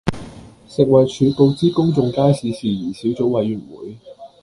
食衞局告知公眾街市事宜小組委員會